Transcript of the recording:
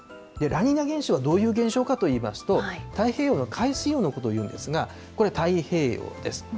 ラニーニャ現象はどういう現象かといいますと、太平洋の海水温のことを言うんですが、これ太平洋です。